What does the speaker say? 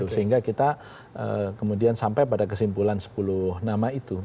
sehingga kita kemudian sampai pada kesimpulan sepuluh nama itu